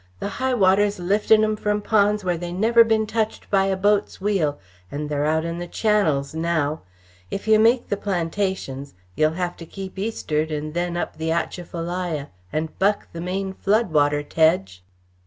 The high water's liftin' 'em from ponds where they never been touched by a boat's wheel and they're out in the channels now. If yeh make the plantations yeh'll have to keep eastard and then up the Atchafalaya and buck the main flood water, Tedge!"